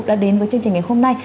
đã đến với chương trình ngày hôm nay